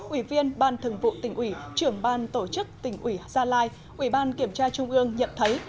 ủy viên ban thường vụ tỉnh ủy trưởng ban tổ chức tỉnh ủy gia lai ủy ban kiểm tra trung ương nhận thấy